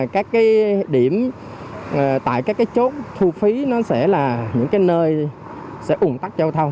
các cái điểm tại các cái chốt thu phí nó sẽ là những cái nơi sẽ ủng tắc giao thông